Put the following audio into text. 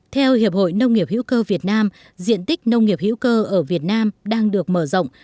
theo hiệp hội nông nghiệp hữu cơ việt nam diện tích nông nghiệp hữu cơ ở việt nam đang được mở rộng